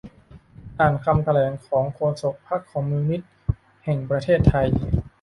อ่านคำแถลงของโฆษกพรรคคอมมิวนิสต์แห่งประเทศไทย